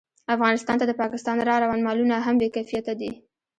افغانستان ته د پاکستان راروان مالونه هم بې کیفیته دي